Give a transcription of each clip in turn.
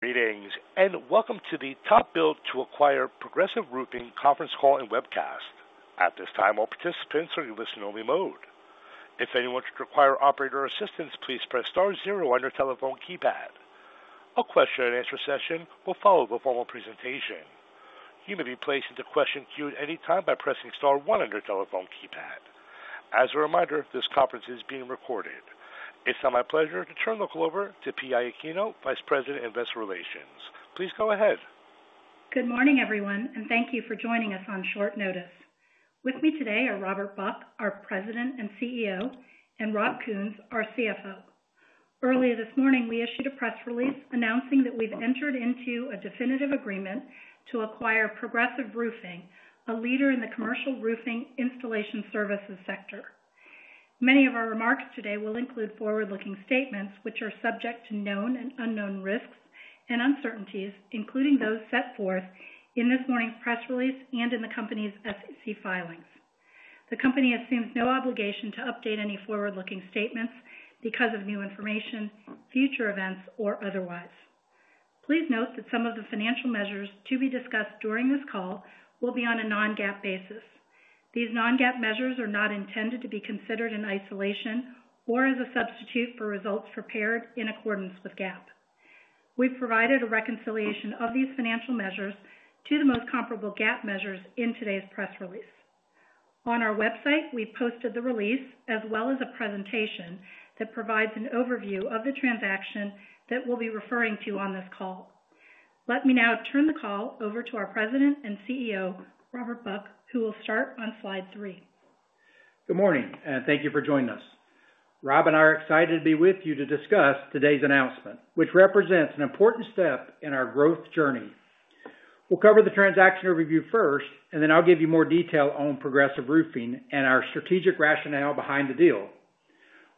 Greetings and welcome to the TopBuild to Acquire Progressive Roofing Conference Call and Webcast. At this time, all participants are in listen-only mode. If anyone should require operator assistance, please press star zero on your telephone keypad. A question-and-answer session will follow the formal presentation. You may be placed into question queue at any time by pressing star one on your telephone keypad. As a reminder, this conference is being recorded. It's now my pleasure to turn the call over to PI Aquino, Vice President, Investor Relations. Please go ahead. Good morning, everyone, and thank you for joining us on short notice. With me today are Robert Buck, our President and CEO, and Rob Kuhns, our CFO. Earlier this morning, we issued a press release announcing that we've entered into a definitive agreement to acquire Progressive Roofing, a leader in the Commercial Roofing Installation Services Sector. Many of our remarks today will include forward-looking statements which are subject to known and unknown risks and uncertainties, including those set forth in this morning's press release and in the company's SEC filings. The company assumes no obligation to update any forward-looking statements because of new information, future events, or otherwise. Please note that some of the Financial Measures to be discussed during this call will be on a non-GAAP basis. These non-GAAP Measures are not intended to be considered in isolation or as a substitute for results prepared in accordance with GAAP. We've provided a reconciliation of these financial measures to the most comparable GAAP measures in today's press release. On our website, we've posted the release as well as a presentation that provides an overview of the transaction that we'll be referring to on this call. Let me now turn the call over to our President and CEO, Robert Buck, who will start on slide three. Good morning, and thank you for joining us. Rob and I are excited to be with you to discuss today's announcement, which represents an important step in our growth journey. We will cover the transaction overview first, and then I will give you more detail on Progressive Roofing and our strategic rationale behind the deal.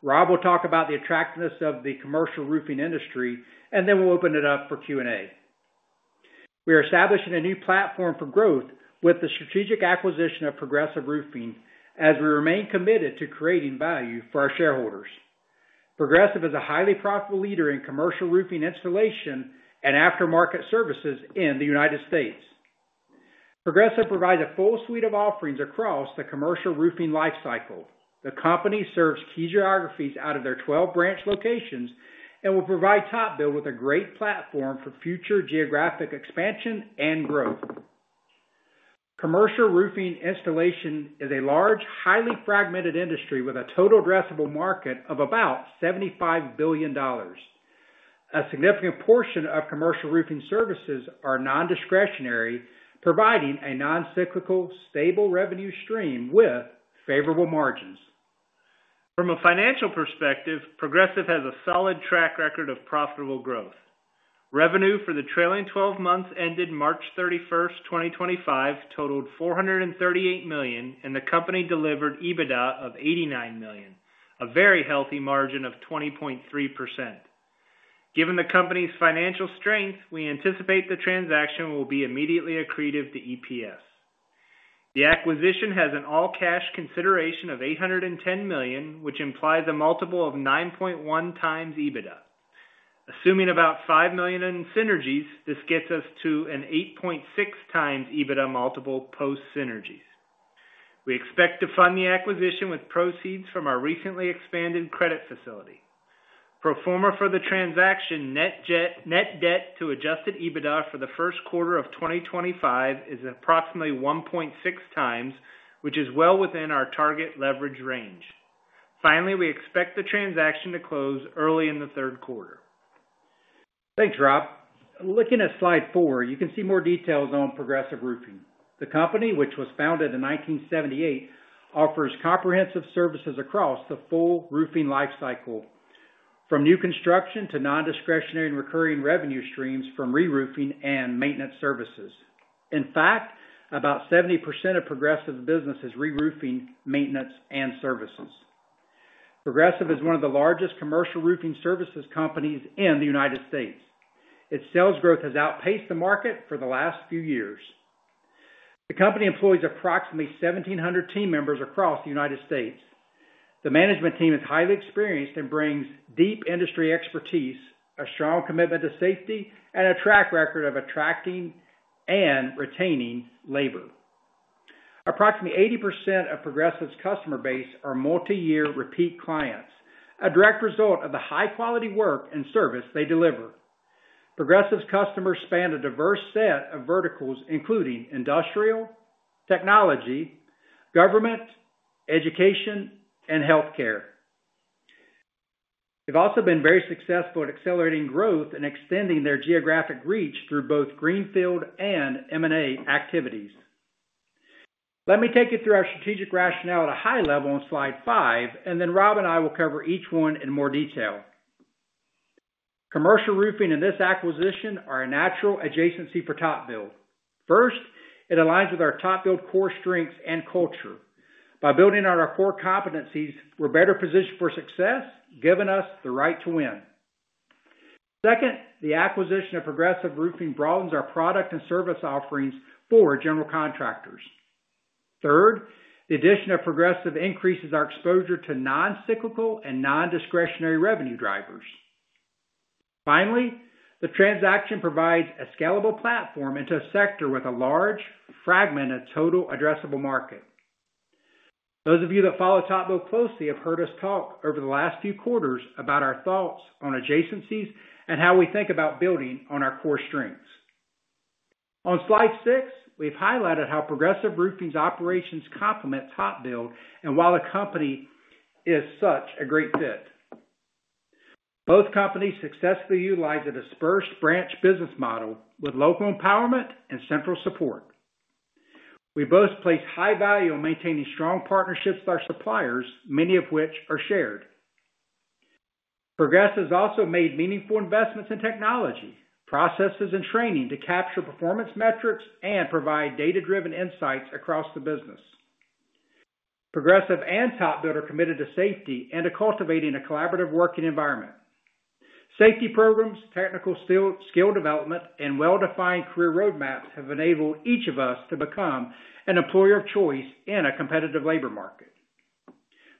Rob will talk about the attractiveness of the Commercial Roofing industry, and then we will open it up for Q&A. We are establishing a new platform for growth with the strategic acquisition of Progressive Roofing as we remain committed to creating value for our shareholders. Progressive is a highly profitable leader in Commercial Roofing Installation and aftermarket services in the United States. Progressive provides a full suite of offerings across the Commercial Roofing life cycle. The company serves key geographies out of their 12 branch locations and will provide TopBuild with a great platform for future geographic expansion and growth. Commercial Roofing Installation is a large, highly fragmented industry with a total addressable market of about $75 billion. A significant portion of Commercial Roofing services are non-discretionary, providing a non-cyclical, stable revenue stream with favorable margins. From a financial perspective, Progressive has a solid track record of profitable growth. Revenue for the trailing 12 months ended March 31, 2025, totaled $438 million, and the company delivered EBITDA of $89 million, a very healthy margin of 20.3%. Given the company's financial strength, we anticipate the transaction will be immediately accretive to EPS. The acquisition has an all-cash consideration of $810 million, which implies a multiple of 9.1 times EBITDA. Assuming about $5 million in synergies, this gets us to an 8.6 times EBITDA multiple post-synergies. We expect to fund the acquisition with proceeds from our recently expanded credit facility. Pro forma for the transaction, net debt to adjusted EBITDA for the first quarter of 2025 is approximately 1.6 times, which is well within our target leverage range. Finally, we expect the transaction to close early in the third quarter. Thanks, Rob. Looking at slide four, you can see more details on Progressive Roofing. The company, which was founded in 1978, offers comprehensive services across the full Roofing life cycle, from new construction to non-discretionary and recurring revenue streams from reRoofing and maintenance services. In fact, about 70% of Progressive's business is reRoofing, maintenance, and services. Progressive is one of the largest Commercial Roofing services companies in the United States. Its sales growth has outpaced the market for the last few years. The company employs approximately 1,700 team members across the United States. The management team is highly experienced and brings deep industry expertise, a strong commitment to safety, and a track record of attracting and retaining labor. Approximately 80% of Progressive's Customer base are multi-year repeat clients, a direct result of the high-quality work and service they deliver. Progressive's Customers span a diverse set of Verticals, including Industrial, Technology, Government, Education, and Healthcare. They've also been very successful at accelerating growth and extending their Geographic reach through both greenfield and M&A activities. Let me take you through our strategic rationale at a high level on slide five, and then Rob and I will cover each one in more detail. Commercial Roofing and this acquisition are a natural adjacency for TopBuild. First, it aligns with our TopBuild core strengths and culture. By building on our core competencies, we're better positioned for success, giving us the right to win. Second, the acquisition of Progressive Roofing broadens our product and service offerings for General Contractors. Third, the addition of Progressive increases our exposure to non-Cyclical and non-Discretionary revenue drivers. Finally, the transaction provides a scalable platform into a sector with a large fragment of total addressable market. Those of you that follow TopBuild closely have heard us talk over the last few quarters about our thoughts on adjacencies and how we think about building on our core strengths. On slide six, we've highlighted how Progressive Roofing's Operations complement TopBuild and why the company is such a great fit. Both companies successfully utilize a dispersed branch business model with local empowerment and central support. We both place high value on maintaining strong partnerships with our suppliers, many of which are shared. Progressive has also made meaningful investments in technology, processes, and training to capture performance metrics and provide data-driven insights across the business. Progressive and TopBuild are committed to safety and to cultivating a collaborative working environment. Safety programs, technical skill development, and well-defined career roadmaps have enabled each of us to become an employer of choice in a competitive labor market.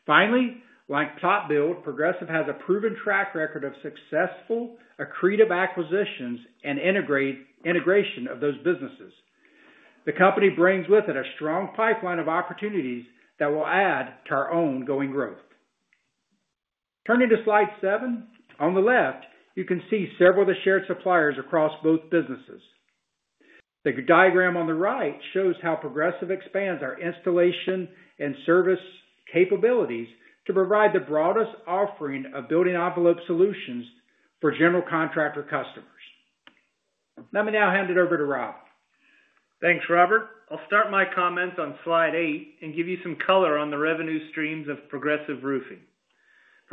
Finally, like TopBuild, Progressive has a proven track record of successful, accretive acquisitions and integration of those businesses. The company brings with it a strong pipeline of opportunities that will add to our ongoing growth. Turning to slide seven, on the left, you can see several of the shared suppliers across both businesses. The diagram on the right shows how Progressive expands our installation and service capabilities to provide the broadest offering of building envelope solutions for general Contractor Customers. Let me now hand it over to Rob. Thanks, Robert. I'll start my comments on slide eight and give you some color on the revenue streams of Progressive Roofing.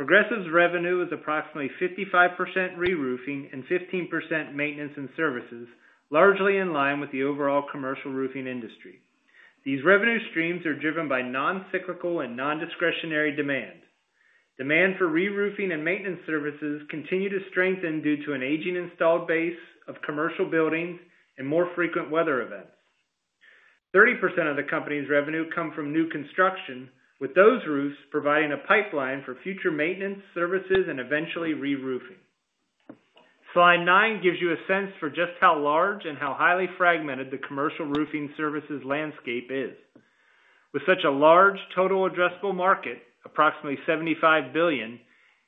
Progressive's revenue is approximately 55% reRoofing and 15% maintenance and services, largely in line with the overall Commercial Roofing industry. These revenue streams are driven by non-cyclical and non-discretionary demand. Demand for reRoofing and maintenance services continues to strengthen due to an aging installed base of commercial buildings and more frequent weather events. 30% of the company's revenue comes from new construction, with those roofs providing a pipeline for future maintenance services and eventually reRoofing. Slide nine gives you a sense for just how large and how highly fragmented the Commercial Roofing services landscape is. With such a large total addressable market, approximately $75 billion,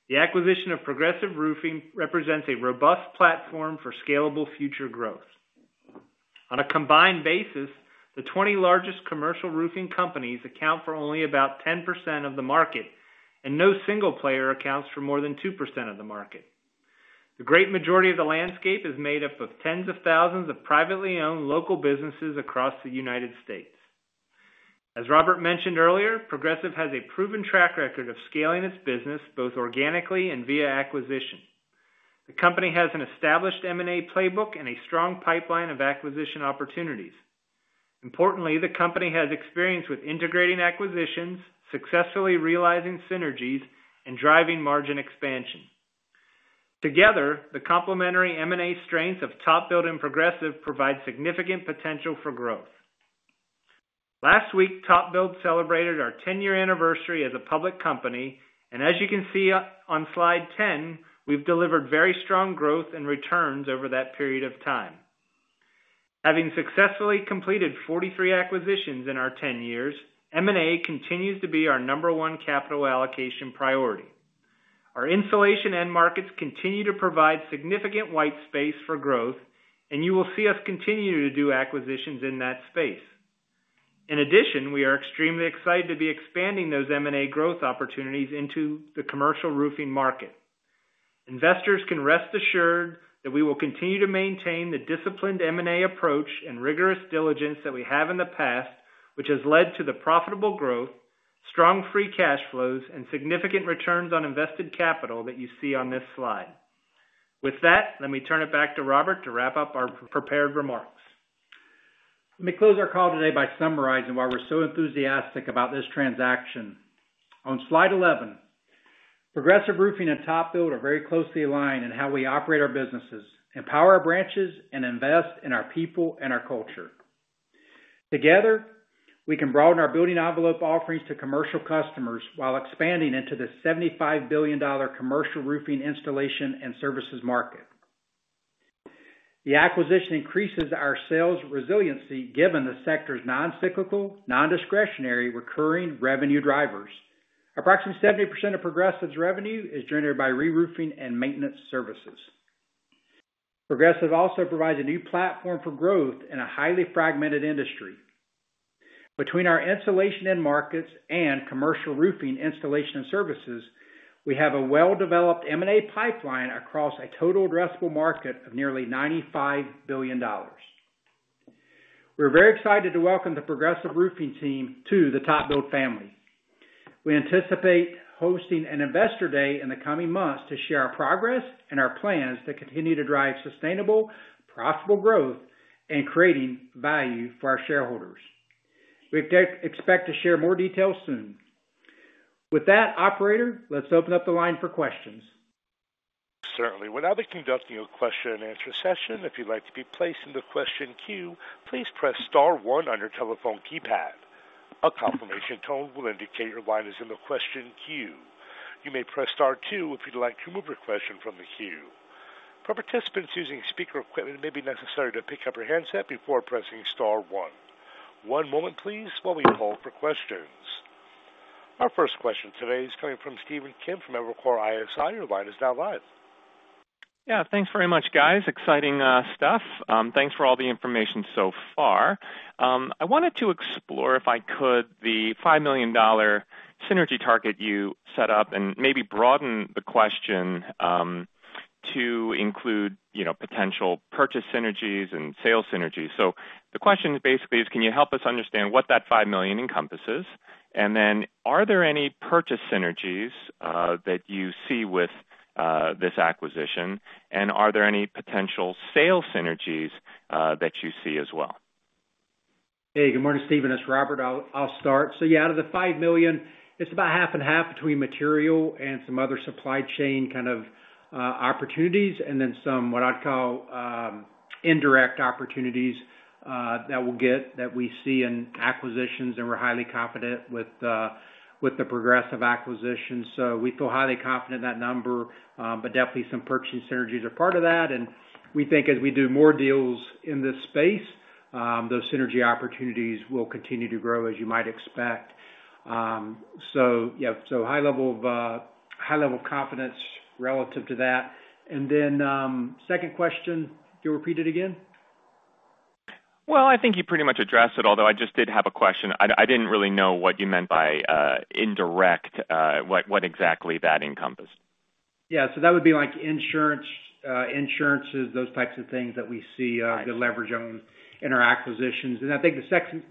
the acquisition of Progressive Roofing represents a robust platform for scalable future growth. On a combined basis, the 20 largest Commercial Roofing companies account for only about 10% of the market, and no single player accounts for more than 2% of the market. The great majority of the landscape is made up of tens of thousands of privately owned local businesses across the United States. As Robert mentioned earlier, Progressive has a proven track record of scaling its business both organically and via acquisition. The company has an established M&A playbook and a strong pipeline of acquisition opportunities. Importantly, the company has experience with integrating acquisitions, successfully realizing synergies, and driving margin expansion. Together, the complementary M&A strengths of TopBuild and Progressive provide significant potential for growth. Last week, TopBuild celebrated our 10-year anniversary as a public company, and as you can see on slide 10, we've delivered very strong growth and returns over that period of time. Having successfully completed 43 Acquisitions in our 10 years, M&A continues to be our number one Capital Allocation priority. Our Installation End Markets continue to provide significant White Space for growth, and you will see us continue to do acquisitions in that space. In addition, we are extremely excited to be expanding those M&A growth opportunities into the Commercial Roofing market. Investors can rest assured that we will continue to maintain the disciplined M&A approach and rigorous diligence that we have in the past, which has led to the profitable growth, strong free cash flows, and significant returns on invested capital that you see on this slide. With that, let me turn it back to Robert to wrap up our prepared remarks. Let me close our call today by summarizing why we're so enthusiastic about this transaction. On slide 11. Progressive Roofing and TopBuild are very closely aligned in how we operate our businesses, empower our branches, and invest in our people and our culture. Together, we can broaden our building envelope offerings to Commercial Customers while expanding into the $75 billion Commercial Roofing Installation and Services market. The acquisition increases our sales resiliency given the sector's non-cyclical, non-discretionary, recurring revenue drivers. Approximately 70% of Progressive's revenue is generated by reRoofing and maintenance services. Progressive also provides a new platform for growth in a highly fragmented industry. Between our installation end markets and Commercial Roofing Installation and Services, we have a well-developed M&A pipeline across a total addressable market of nearly $95 billion. We're very excited to welcome the Progressive Roofing team to the TopBuild family. We anticipate hosting an investor day in the coming months to share our progress and our plans to continue to drive sustainable, profitable growth and creating value for our shareholders. We expect to share more details soon. With that, operator, let's open up the line for questions. Certainly. Without conducting a question and answer session, if you'd like to be placed in the question queue, please press star one on your telephone keypad. A confirmation tone will indicate your line is in the question queue. You may press star two if you'd like to remove your question from the queue. For participants using speaker equipment, it may be necessary to pick up your handset before pressing star one. One moment, please, while we call for questions. Our first question today is coming from Stephen Kim from Evercore ISI. Your line is now live. Yeah, thanks very much, guys. Exciting stuff. Thanks for all the information so far. I wanted to explore, if I could, the $5 million synergy target you set up and maybe broaden the question to include potential purchase synergies and sales synergies. The question basically is, can you help us understand what that $5 million encompasses? Are there any purchase synergies that you see with this acquisition? Are there any potential sales synergies that you see as well? Hey, good morning, Stephen. It's Robert. I'll start. Yeah, out of the $5 million, it's about half and half between material and some other supply chain kind of opportunities and then some what I'd call indirect opportunities that we see in acquisitions, and we're highly confident with the Progressive acquisition. We feel highly confident in that number, but definitely some purchasing synergies are part of that. We think as we do more deals in this space, those synergy opportunities will continue to grow, as you might expect. High level of confidence relative to that. Second question, can you repeat it again? I think you pretty much addressed it, although I just did have a question. I didn't really know what you meant by indirect, what exactly that encompassed. Yeah, so that would be like insurances, those types of things that we see the leverage on in our acquisitions. I think the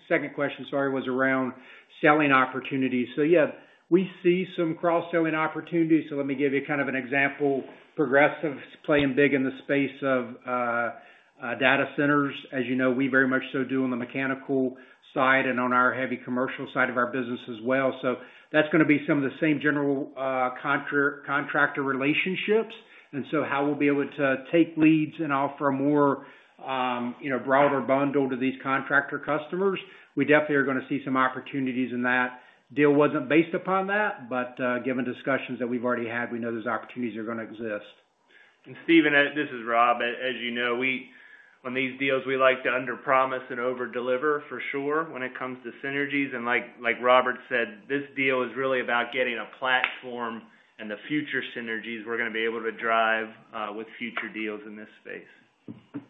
second question, sorry, was around selling opportunities. Yeah, we see some cross-selling opportunities. Let me give you kind of an example. Progressive is playing big in the space of data centers. As you know, we very much so do on the Mechanical Side and on our heavy Commercial Side of our business as well. That is going to be some of the same general Contractor relationships. How we will be able to take leads and offer a more broader bundle to these Contractor Customers. We definitely are going to see some opportunities in that. The deal was not based upon that, but given discussions that we have already had, we know those opportunities are going to exist. Stephen, this is Rob. As you know, on these deals, we like to underpromise and overdeliver, for sure, when it comes to synergies. Like Robert said, this deal is really about getting a platform and the future synergies we're going to be able to drive with future deals in this space.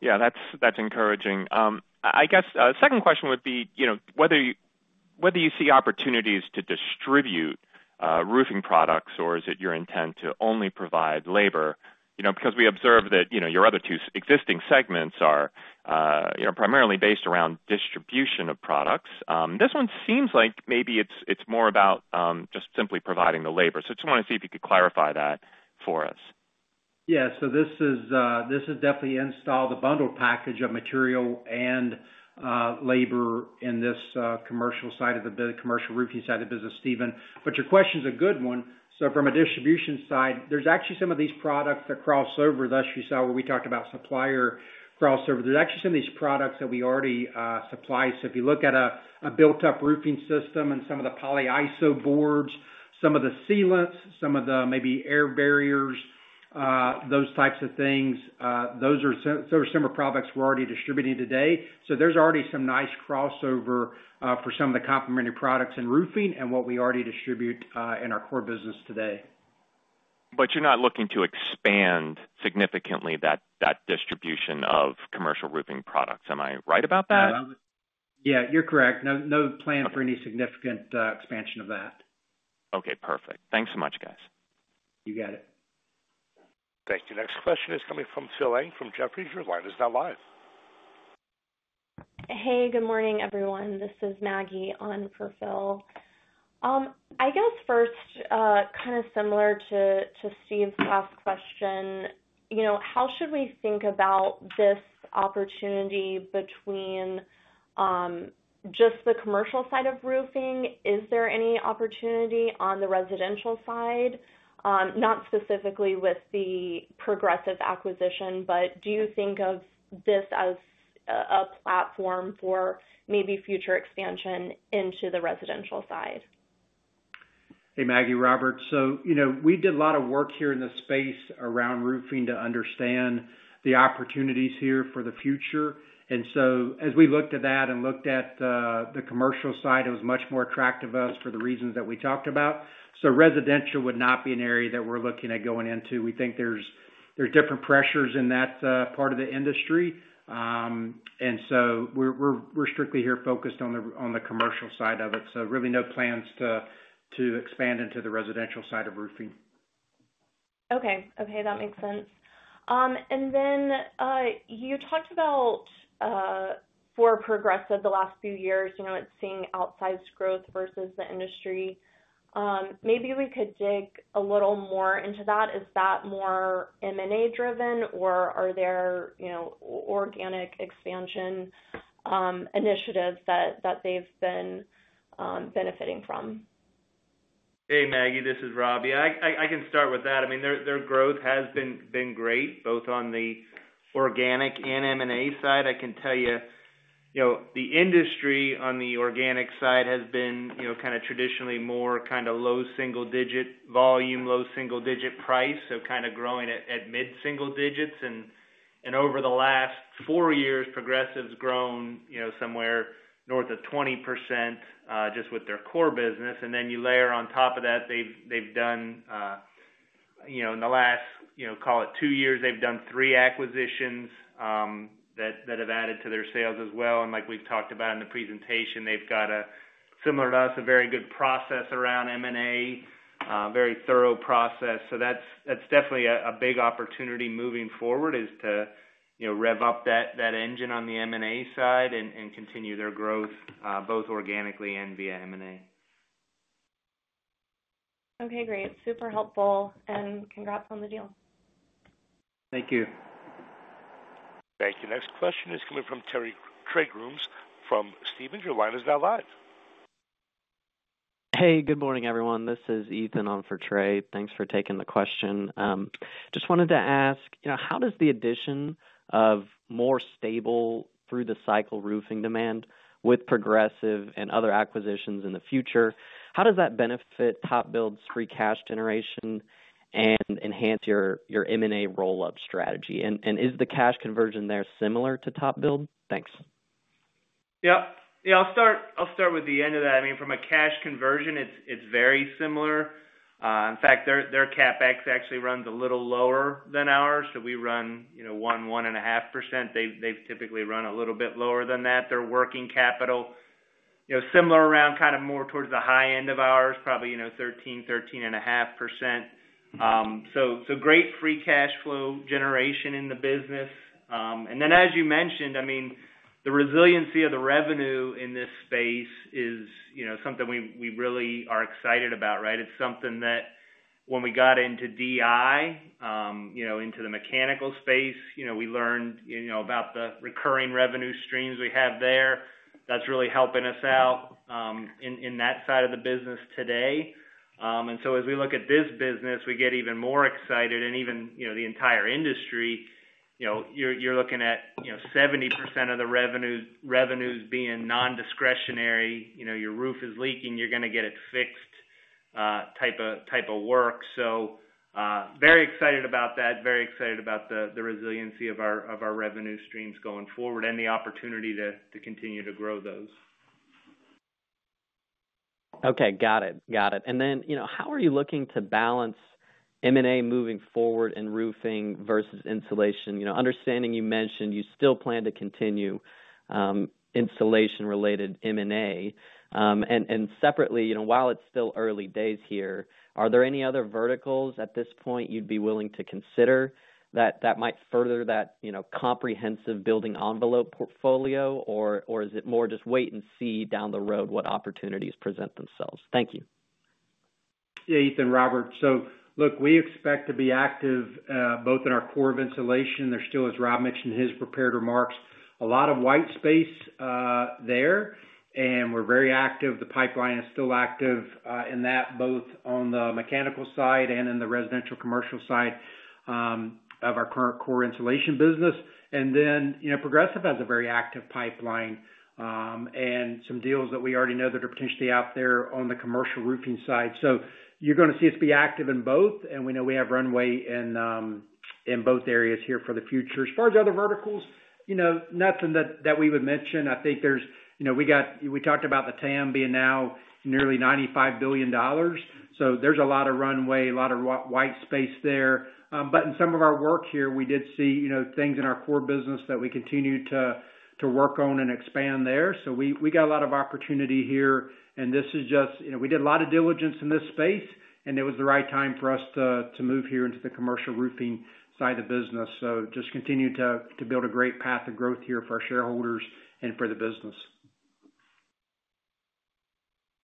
Yeah, that's encouraging. I guess a second question would be whether you see opportunities to distribute Roofing products, or is it your intent to only provide labor? Because we observe that your other two existing segments are primarily based around distribution of products. This one seems like maybe it's more about just simply providing the labor. I just want to see if you could clarify that for us. Yeah, so this is definitely install the bundle package of material and labor in this Commercial Side of the business, Commercial Roofing side of the business, Stephen. Your question is a good one. From a distribution side, there's actually some of these products that cross over, as you saw where we talked about supplier crossover. There's actually some of these products that we already supply. If you look at a built-up Roofing system and some of the Polyiso boards, some of the sealants, some of the maybe Air Barriers, those types of things, those are similar products we're already distributing today. There's already some nice crossover for some of the complementary products in Roofing and what we already distribute in our core business today. You're not looking to expand significantly that distribution of Commercial Roofing products. Am I right about that? Yeah, you're correct. No plan for any significant expansion of that. Okay, perfect. Thanks so much, guys. You got it. Thank you. Next question is coming from Phil Ng from Jefferies. Your line is now live. Hey, good morning, everyone. This is Maggie on for Phil. I guess first, kind of similar to Steve's last question, how should we think about this opportunity between just the Commercial Side of Roofing? Is there any opportunity on the Residential Side, not specifically with the Progressive acquisition, but do you think of this as a platform for maybe future expansion into the Residential Side? Hey, Maggie, Robert. We did a lot of work here in the space around Roofing to understand the opportunities here for the future. As we looked at that and looked at the Commercial Side, it was much more attractive to us for the reasons that we talked about. Residential would not be an area that we're looking at going into. We think there's different pressures in that part of the industry. We're strictly here focused on the Commercial Side of it. Really no plans to expand into the Residential Side of Roofing. Okay. Okay, that makes sense. You talked about, for Progressive, the last few years, it’s seeing outsized growth versus the industry. Maybe we could dig a little more into that. Is that more M&A-driven, or are there organic expansion initiatives that they’ve been benefiting from? Hey, Maggie, this is Rob. Yeah, I can start with that. I mean, their growth has been great, both on the organic and M&A side. I can tell you the industry on the organic side has been kind of traditionally more kind of low single-digit volume, low single-digit price, so kind of growing at mid-single digits. And over the last four years, Progressive's grown somewhere north of 20% just with their core business. Then you layer on top of that, they've done, in the last, call it two years, they've done three acquisitions that have added to their sales as well. Like we've talked about in the presentation, they've got a, similar to us, a very good process around M&A, a very thorough process. That is definitely a big opportunity moving forward is to rev up that engine on the M&A side and continue their growth both organically and via M&A. Okay, great. Super helpful. And congrats on the deal. Thank you. Thank you. Next question is coming from Trey from Stephens. Your line is now live. Hey, good morning, everyone. This is Ethan on for Trey. Thanks for taking the question. Just wanted to ask, how does the addition of more stable through-the-cycle Roofing demand with Progressive and other acquisitions in the future, how does that benefit TopBuild's free cash generation and enhance your M&A roll-up strategy? Is the cash conversion there similar to TopBuild? Thanks. Yeah. Yeah, I'll start with the end of that. I mean, from a cash conversion, it's very similar. In fact, their CapEx actually runs a little lower than ours. We run 1-1.5%. They've typically run a little bit lower than that. Their Working Capital, similar, around kind of more towards the high end of ours, probably 13-13.5%. Great free cash flow generation in the business. As you mentioned, I mean, the resiliency of the revenue in this space is something we really are excited about, right? It's something that when we got into DI, into the mechanical space, we learned about the recurring revenue streams we have there. That's really helping us out in that side of the business today. As we look at this business, we get even more excited. Even the entire industry. You're looking at 70% of the revenues being non-discretionary. Your roof is leaking, you're going to get it fixed. Type of work. Very excited about that, very excited about the resiliency of our revenue streams going forward and the opportunity to continue to grow those. Okay, got it. Got it. How are you looking to balance M&A moving forward in Roofing versus Insulation? Understanding you mentioned you still plan to continue Insulation-related M&A. Separately, while it's still early days here, are there any other verticals at this point you'd be willing to consider that might further that comprehensive building envelope portfolio, or is it more just wait and see down the road what opportunities present themselves? Thank you. Yeah, Ethan, Robert. Look, we expect to be active both in our core of Insulation. There still is, Rob mentioned in his prepared remarks, a lot of white space there. We are very active. The pipeline is still active in that, both on the mechanical side and in the Residential Commercial side of our current core Insulation business. Progressive has a very active pipeline and some deals that we already know that are potentially out there on the Commercial Roofing side. You are going to see us be active in both. We know we have runway in both areas here for the future. As far as other verticals, nothing that we would mention. I think we talked about the TAM being now nearly $95 billion. There is a lot of runway, a lot of white space there. In some of our work here, we did see things in our core business that we continue to work on and expand there. We got a lot of opportunity here. We did a lot of diligence in this space, and it was the right time for us to move here into the Commercial Roofing side of business. We just continue to build a great path of growth here for our shareholders and for the business.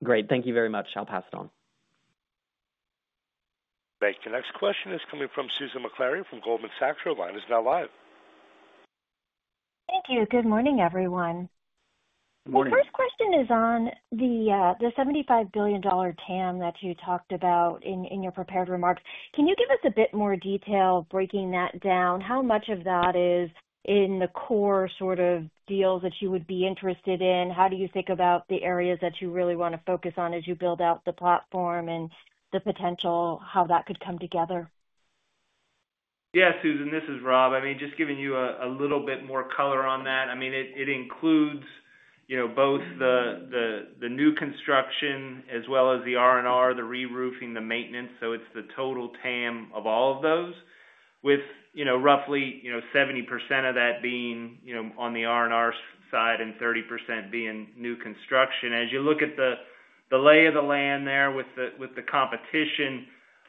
Great. Thank you very much. I'll pass it on. Thank you. Next question is coming from Susan Maklari from Goldman Sachs. Her line is now live. Thank you. Good morning, everyone. Good morning. The first question is on the $75 billion TAM that you talked about in your prepared remarks. Can you give us a bit more detail, breaking that down? How much of that is in the core sort of deals that you would be interested in? How do you think about the areas that you really want to focus on as you build out the platform and the potential, how that could come together? Yeah, Susan, this is Rob. I mean, just giving you a little bit more color on that. I mean, it includes both the new construction as well as the R&R, the re-Roofing, the maintenance. So it's the total TAM of all of those, with roughly 70% of that being on the R&R side and 30% being new construction. As you look at the lay of the land there with the competition,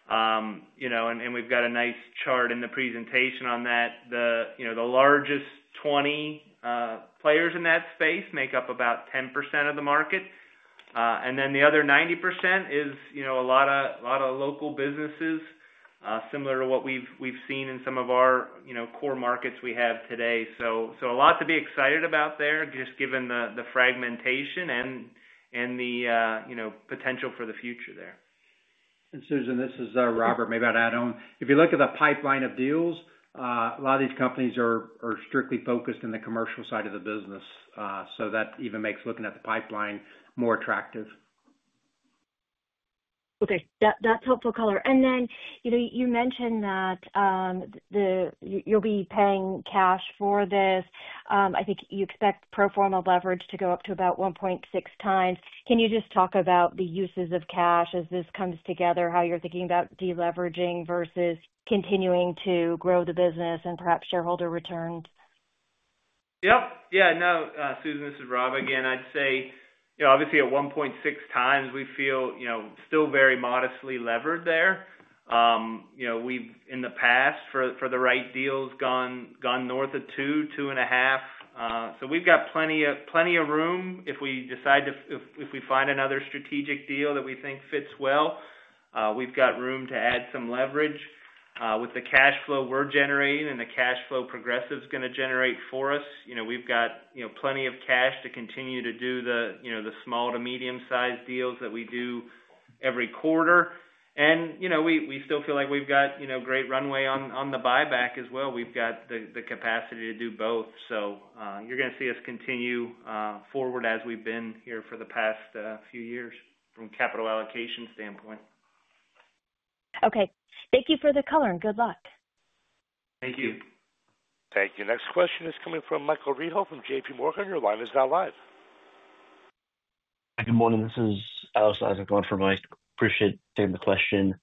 and we've got a nice chart in the presentation on that, the largest 20 players in that space make up about 10% of the market. And then the other 90% is a lot of local businesses, similar to what we've seen in some of our core markets we have today. So a lot to be excited about there, just given the fragmentation and the potential for the future there. Susan, this is Robert. Maybe I'll add on. If you look at the pipeline of deals, a lot of these companies are strictly focused in the Commercial Side of the business. That even makes looking at the pipeline more attractive. Okay. That's helpful color. Then you mentioned that you'll be paying cash for this. I think you expect pro forma leverage to go up to about 1.6 times. Can you just talk about the uses of cash as this comes together, how you're thinking about deleveraging versus continuing to grow the business and perhaps shareholder returns? Yep. Yeah. No, Susan, this is Rob again. I'd say. Obviously, at 1.6 times, we feel still very modestly levered there. We've, in the past, for the right deals, gone north of two, two and a half. We have plenty of room if we decide to, if we find another strategic deal that we think fits well. We have room to add some leverage. With the cash flow we're generating and the cash flow Progressive's going to generate for us, we have plenty of cash to continue to do the small to medium-sized deals that we do every quarter. We still feel like we have great runway on the buyback as well. We have the capacity to do both. You are going to see us continue forward as we have been here for the past few years from a capital allocation standpoint. Okay. Thank you for the color and good luck. Thank you. Thank you. Next question is coming from Michael Rehaut from JPMorgan. Your line is now live. Good morning. This is Alex Isaac on for Mike. Appreciate taking the question.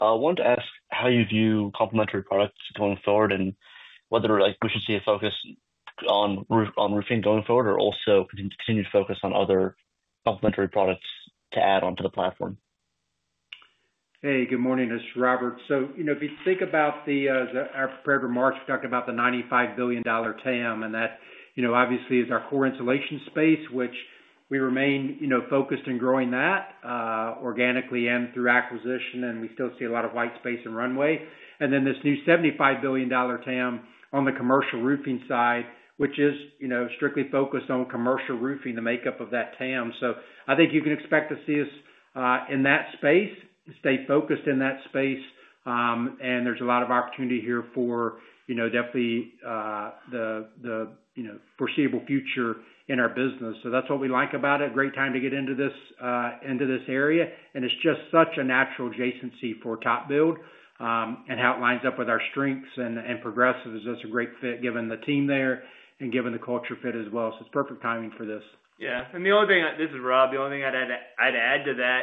I wanted to ask how you view complementary products going forward and whether we should see a focus on Roofing going forward or also continue to focus on other complementary products to add onto the platform. Hey, good morning. This is Robert. If you think about our prepared remarks, we talked about the $95 billion TAM, and that obviously is our core Insulation space, which we remain focused in growing that organically and through acquisition, and we still see a lot of white space and runway. Then this new $75 billion TAM on the Commercial Roofing side, which is strictly focused on Commercial Roofing, the makeup of that TAM. I think you can expect to see us in that space, stay focused in that space. There is a lot of opportunity here for definitely the foreseeable future in our business. That is what we like about it. Great time to get into this area, and it is just such a natural adjacency for TopBuild and how it lines up with our strengths. Progressive is just a great fit, given the team there and given the culture fit as well. It's perfect timing for this. Yeah. The only thing I—this is Rob—the only thing I'd add to that.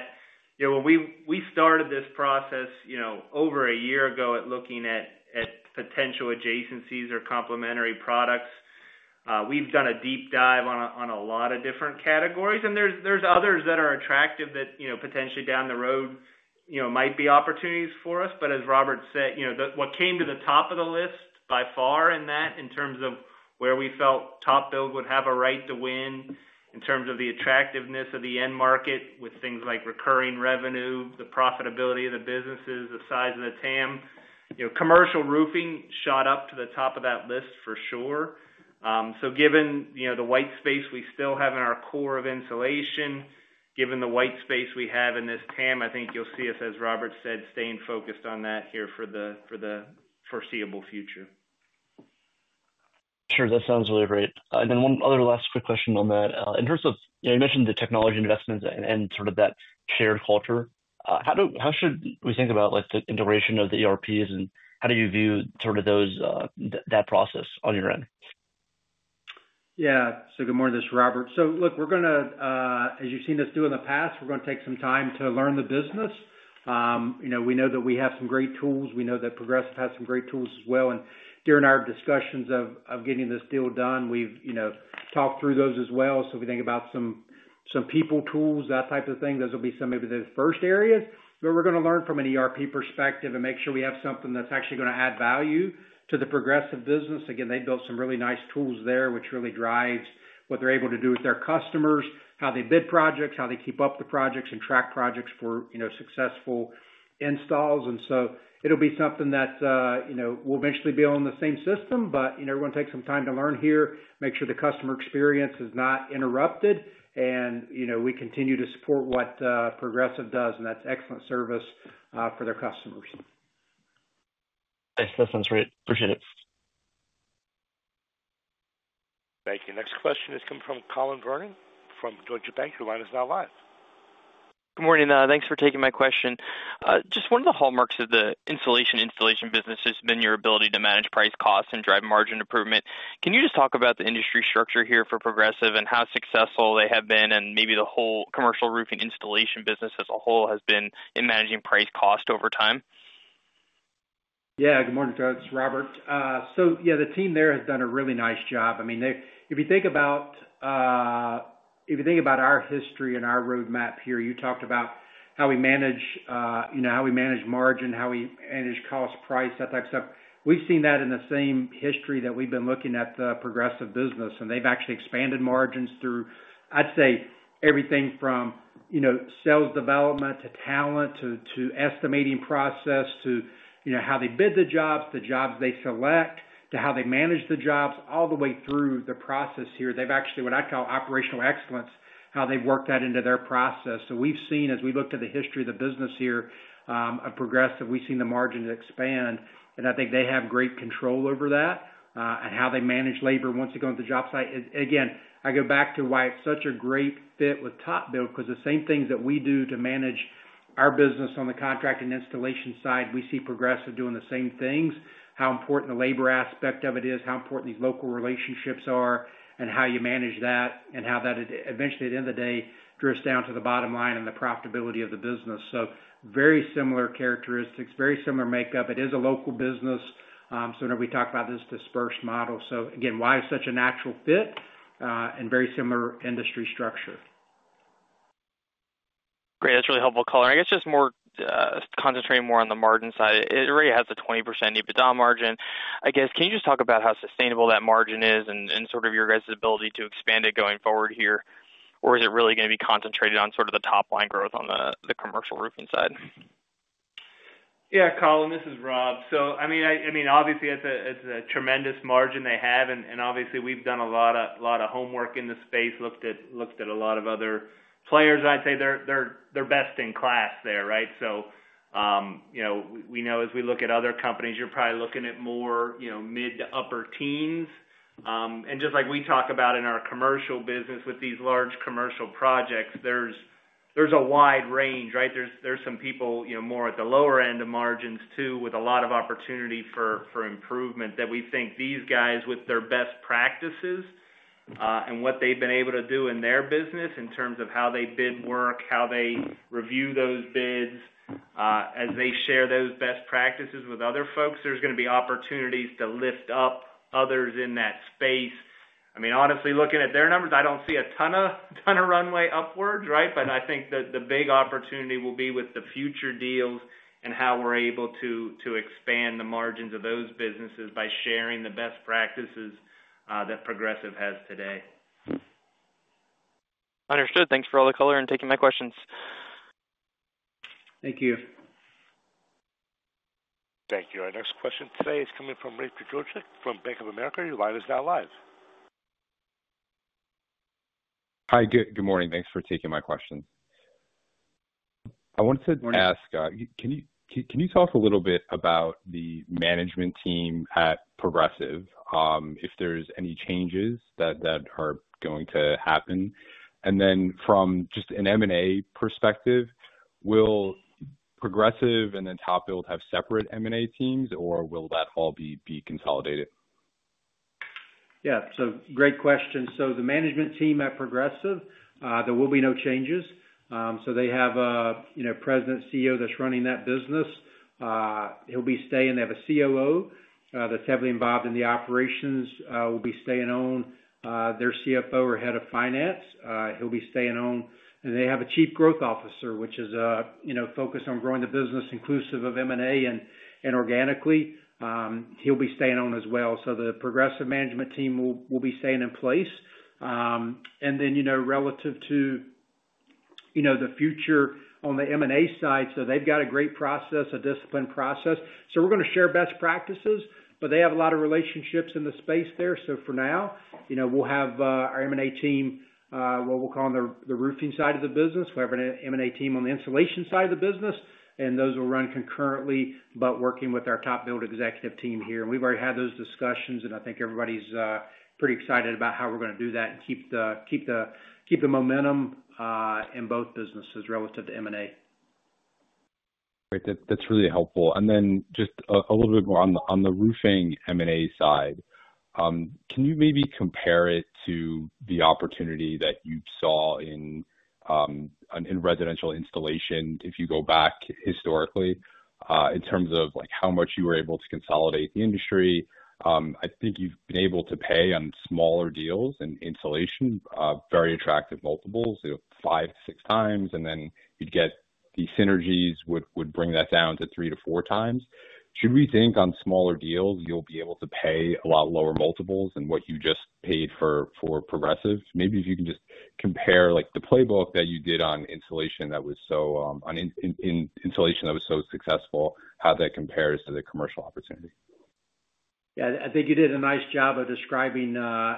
When we started this process over a year ago at looking at potential adjacencies or complementary products, we've done a deep dive on a lot of different categories. There are others that are attractive that potentially down the road might be opportunities for us. As Robert said, what came to the top of the list by far in that, in terms of where we felt TopBuild would have a right to win in terms of the attractiveness of the end market with things like recurring revenue, the profitability of the businesses, the size of the TAM, Commercial Roofing shot up to the top of that list for sure. Given the white space we still have in our core of Insulation, given the white space we have in this TAM, I think you'll see us, as Robert said, staying focused on that here for the foreseeable future. Sure. That sounds really great. One other last quick question on that. In terms of, you mentioned the technology investments and sort of that shared culture. How should we think about the integration of the ERPs and how do you view sort of that process on your end? Yeah. So good morning. This is Robert. Look, we're going to, as you've seen us do in the past, we're going to take some time to learn the business. We know that we have some great tools. We know that Progressive has some great tools as well. During our discussions of getting this deal done, we've talked through those as well. If we think about some people tools, that type of thing, those will be some of the first areas that we're going to learn from an ERP perspective and make sure we have something that's actually going to add value to the Progressive business. Again, they built some really nice tools there, which really drives what they're able to do with their customers, how they bid projects, how they keep up the projects, and Track projects for successful installs. It'll be something that. Will eventually be on the same system, but we're going to take some time to learn here, make sure the customer experience is not interrupted, and we continue to support what Progressive does, and that's excellent service for their customers. Thanks. That sounds great. Appreciate it. Thank you. Next question is coming from Collin Verron from Deutsche Bank. Your line is now live. Good morning. Thanks for taking my question. Just one of the hallmarks of the Insulation installation business has been your ability to manage price costs and drive margin improvement. Can you just talk about the industry structure here for Progressive and how successful they have been and maybe the whole Commercial Roofing Installation business as a whole has been in managing price cost over time? Yeah. Good morning, folks. Robert. So yeah, the team there has done a really nice job. I mean, if you think about, if you think about our history and our roadmap here, you talked about how we manage, how we manage margin, how we manage cost, price, that type of stuff. We've seen that in the same history that we've been looking at the Progressive business. And they've actually expanded margins through, I'd say, everything from sales development to talent to estimating process to how they bid the jobs, the jobs they select to how they manage the jobs, all the way through the process here. They've actually, what I call operational excellence, how they've worked that into their process. So we've seen, as we looked at the history of the business here of Progressive, we've seen the margin expand. I think they have great control over that and how they manage labor once they go into the job site. Again, I go back to why it's such a great fit with TopBuild because the same things that we do to manage our business on the contract and installation side, we see Progressive doing the same things, how important the labor aspect of it is, how important these local relationships are, and how you manage that and how that eventually, at the end of the day, drifts down to the bottom line and the profitability of the business. Very similar characteristics, very similar makeup. It is a local business. We talk about this dispersed model. Again, why it's such a natural fit and very similar industry structure. Great. That's really helpful, Colin. I guess just more concentrating more on the margin side. It already has a 20% EBITDA Margin. I guess, can you just talk about how sustainable that Margin is and sort of your guys' ability to expand it going forward here? Or is it really going to be concentrated on sort of the top-line growth on the Commercial Roofing side? Yeah, Collin, this is Rob. I mean, obviously, it's a tremendous margin they have. Obviously, we've done a lot of homework in the space, looked at a lot of other players. I'd say they're best in class there, right? We know as we look at other companies, you're probably looking at more mid to upper teens. Just like we talk about in our commercial business with these large commercial projects, there's a wide range, right? There are some people more at the lower end of margins too with a lot of opportunity for improvement. We think these guys with their best practices and what they've been able to do in their business in terms of how they bid work, how they review those bids, as they share those best practices with other folks, there's going to be opportunities to lift up others in that space. I mean, honestly, looking at their numbers, I don't see a ton of runway upwards, right? I think the big opportunity will be with the future deals and how we're able to expand the margins of those businesses by sharing the best practices that Progressive has today. Understood. Thanks for all the color and taking my questions. Thank you. Thank you. Our next question today is coming from Rachel Georgic from Bank of America. Your line is now live. Hi, good morning. Thanks for taking my question. I wanted to ask, can you talk a little bit about the management team at Progressive, if there's any changes that are going to happen? From just an M&A perspective, will Progressive and then TopBuild have separate M&A teams, or will that all be consolidated? Yeah. Great question. The management team at Progressive, there will be no changes. They have a President, CEO that's running that business. He'll be staying. They have a COO that's heavily involved in the operations. He'll be staying. Their CFO or head of finance, he'll be staying on. They have a Chief Growth Officer, which is focused on growing the business inclusive of M&A and organically. He'll be staying on as well. The Progressive management team will be staying in place. Relative to the future on the M&A side, they've got a great process, a disciplined process. We're going to share best practices, but they have a lot of relationships in the space there. For now, we'll have our M&A team, what we'll call on the Roofing side of the business. We'll have an M&A team on the Insulation side of the business, and those will run concurrently, but working with our TopBuild executive team here. We've already had those discussions, and I think everybody's pretty excited about how we're going to do that and keep the momentum in both businesses relative to M&A. Great. That's really helpful. Then just a little bit more on the Roofing M&A side. Can you maybe compare it to the opportunity that you saw in Residential Installation if you go back historically in terms of how much you were able to consolidate the industry? I think you've been able to pay on smaller deals in Insulation, very attractive multiples, five, six times, and then you'd get the synergies would bring that down to three to four times. Should we think on smaller deals, you'll be able to pay a lot lower multiples than what you just paid for Progressive? Maybe if you can just compare the playbook that you did on Insulation that was so successful, how that compares to the commercial opportunity. Yeah. I think you did a nice job of describing the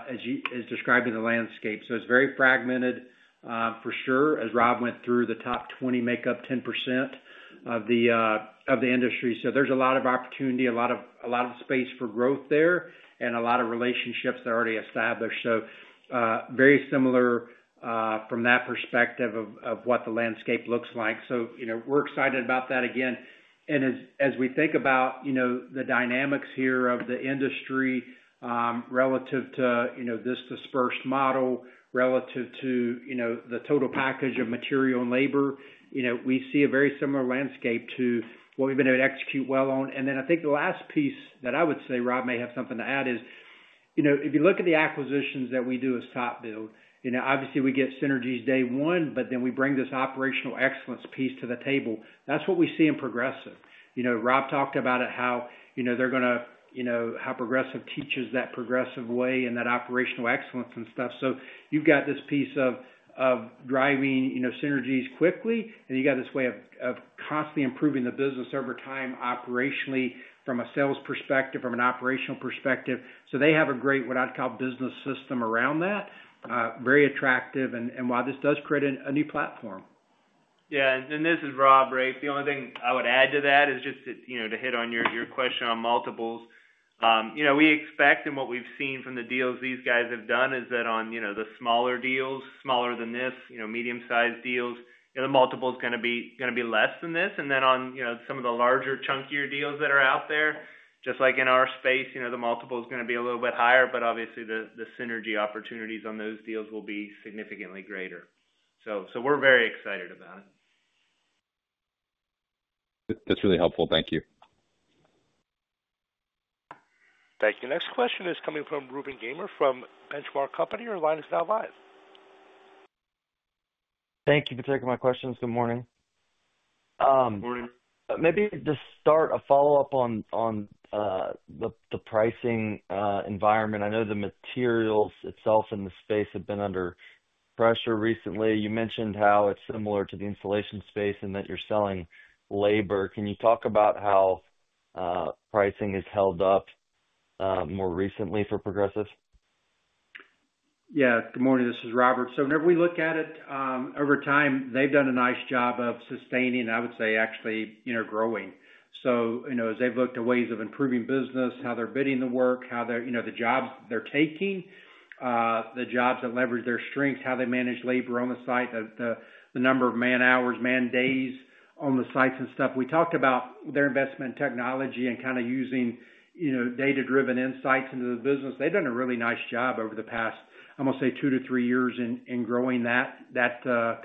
landscape. It is very fragmented for sure as Rob went through. The top 20 make up 10% of the industry. There is a lot of opportunity, a lot of space for growth there, and a lot of relationships that are already established. Very similar from that perspective of what the landscape looks like. We are excited about that again. As we think about the dynamics here of the industry relative to this dispersed model, relative to the total package of material and labor, we see a very similar landscape to what we have been able to execute well on. I think the last piece that I would say, Rob may have something to add, is if you look at the acquisitions that we do as TopBuild, obviously we get synergies day one, but then we bring this operational excellence piece to the table. That is what we see in Progressive. Rob talked about how they are going to, how Progressive teaches that Progressive way and that operational excellence and stuff. You have got this piece of driving synergies quickly, and you have got this way of constantly improving the business over time operationally from a sales perspective, from an operational perspective. They have a great, what I would call, business system around that. Very attractive. While this does create a new platform. Yeah. This is Rob, right? The only thing I would add to that is just to hit on your question on multiples. We expect, and what we've seen from the deals these guys have done, is that on the smaller deals, smaller than this, medium-sized deals, the multiple is going to be less than this. On some of the larger, chunkier deals that are out there, just like in our space, the multiple is going to be a little bit higher, but obviously the synergy opportunities on those deals will be significantly greater. We are very excited about it. That's really helpful. Thank you. Thank you. Next question is coming from Reuben Garner from Benchmark Company. Your line is now live. Thank you for taking my questions. Good morning. Good morning. Maybe to start, a follow-up on the pricing environment. I know the materials itself in the space have been under pressure recently. You mentioned how it's similar to the Insulation space and that you're selling labor. Can you talk about how pricing has held up more recently for Progressive? Yeah. Good morning. This is Robert. Whenever we look at it over time, they've done a nice job of sustaining, I would say, actually growing. As they've looked at ways of improving business, how they're bidding the work, how the jobs they're taking, the jobs that leverage their strengths, how they manage labor on the site, the number of man-hours, man-days on the sites and stuff. We talked about their investment in technology and kind of using data-driven insights into the business. They've done a really nice job over the past, I'm going to say, two to three years in growing that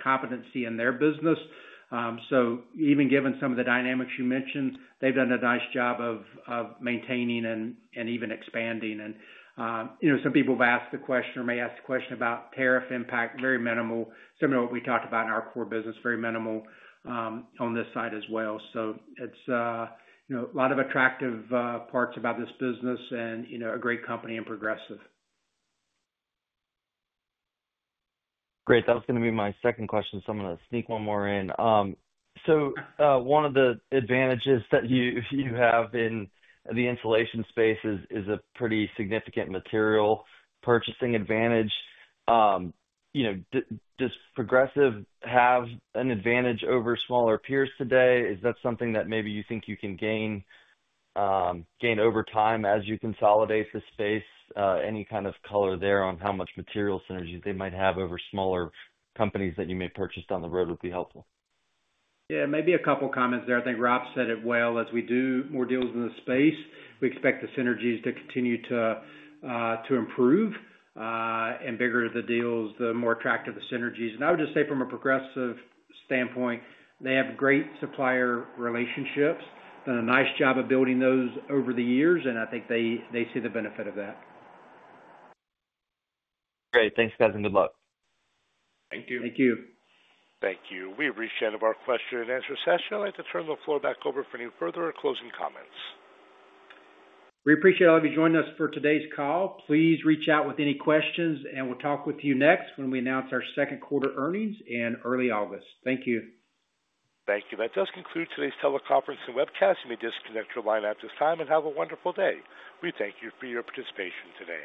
competency in their business. Even given some of the dynamics you mentioned, they've done a nice job of maintaining and even expanding. Some people have asked the question or may ask the question about tariff impact, very minimal, similar to what we talked about in our core business, very minimal on this side as well. It is a lot of attractive parts about this business and a great company and Progressive. Great. That was going to be my second question, so I'm going to sneak one more in. One of the advantages that you have in the Insulation space is a pretty significant material purchasing advantage. Does Progressive have an advantage over smaller peers today? Is that something that maybe you think you can gain over time as you consolidate the space? Any kind of color there on how much material synergies they might have over smaller companies that you may purchase down the road would be helpful? Yeah. Maybe a couple of comments there. I think Rob said it well. As we do more deals in the space, we expect the synergies to continue to improve. The bigger the deals, the more attractive the synergies. I would just say from a Progressive standpoint, they have great supplier relationships, done a nice job of building those over the years, and I think they see the benefit of that. Great. Thanks, guys, and good luck. Thank you. Thank you. Thank you. We appreciate it of our question and answer session. I'd like to turn the floor back over for any further closing comments. We appreciate all of you joining us for today's call. Please reach out with any questions, and we'll talk with you next when we announce our second quarter earnings in early August. Thank you. Thank you. That does conclude today's teleconference and webcast. You may disconnect your line at this time and have a wonderful day. We thank you for your participation today.